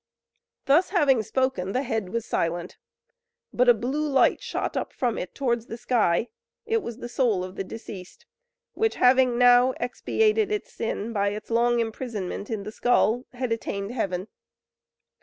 Thus having spoken, the head was silent; but a blue light shot up from it towards the sky; it was the soul of the deceased, which having now expiated its sin by its long imprisonment in the skull, had attained heaven.